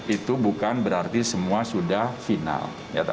itu bukan berarti semua sudah final